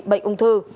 bệnh ung thư